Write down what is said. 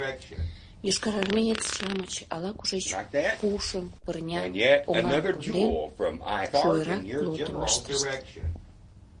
Йошкарармеец-шамыч ала-кушеч пушым, пырням, оҥам конден, шуэрак плотым ыштышт.